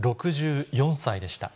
６４歳でした。